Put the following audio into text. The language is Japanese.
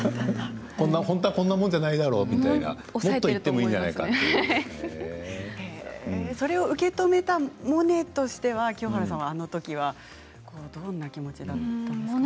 本当はこんなもんじゃないだろうと、もっと言ってもそれを受け止めたモネとしては清原さんはあのときはどんな気持ちだったんですかね。